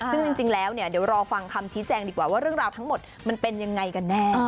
ซึ่งจริงแล้วเนี่ยเดี๋ยวรอฟังคำชี้แจงดีกว่าว่าเรื่องราวทั้งหมดมันเป็นยังไงกันแน่